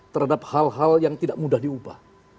terhadap hal hal yang tidak mudah diubah